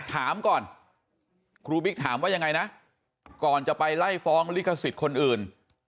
ถามก่อนครูบิ๊กถามว่ายังไงนะก่อนจะไปไล่ฟ้องลิขสิทธิ์คนอื่น